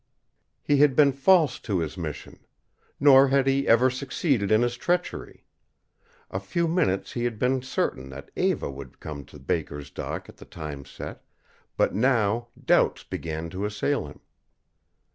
He had been false to his mission. Nor had he even succeeded in his treachery. A few minutes he had been certain that Eva would come to Baker's dock at the time set, but now doubts began to assail him.